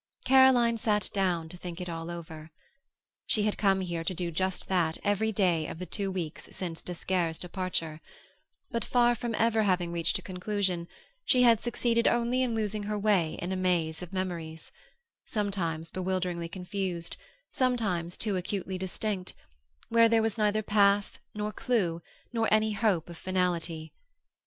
Caroline sat down to think it all over. She had come here to do just that every day of the two weeks since d'Esquerre's departure, but, far from ever having reached a conclusion, she had succeeded only in losing her way in a maze of memories sometimes bewilderingly confused, sometimes too acutely distinct where there was neither path, nor clue, nor any hope of finality.